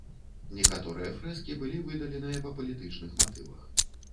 Некаторыя фрэскі былі выдаленыя па палітычных матывах.